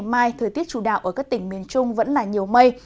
ngày mai thời tiết chủ đạo ở các tỉnh miền trung vẫn là nhiều mây